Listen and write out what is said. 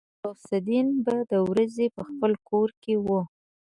غوث الدين به د ورځې په خپل کور کې و.